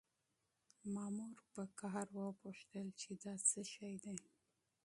مامور په غوسه وپوښتل چې دا څه شی دی؟